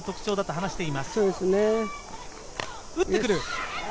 打ってくる！